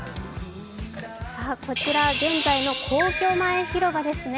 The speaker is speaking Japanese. こちら現在の皇居前広場ですね。